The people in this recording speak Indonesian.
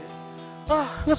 ah aku pake ngesel